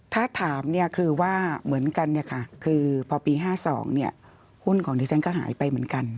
ถ้าถามเนี่ยคือว่าเหมือนกันเนี่ยค่ะคือพอปี๕๒เนี่ยหุ้นของที่ฉันก็หายไปเหมือนกัน